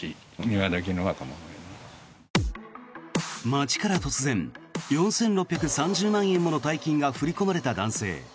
町から突然、４６３０万円もの大金が振り込まれた男性。